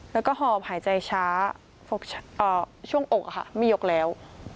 แล้วก็หอบหายใจช้าช่วงอกไม่ยกแล้ว